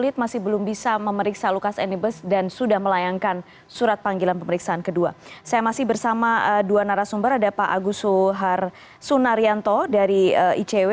terima kasih pak agus suharto sunarianto dari icw